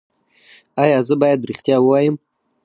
ایا زه باید ریښتیا ووایم؟